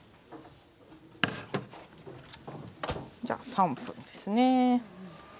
じゃ３分ですね。